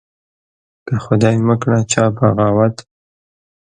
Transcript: که خدای مکړه چا بغاوت